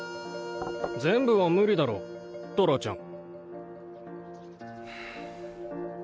全部はムリだろトラちゃん。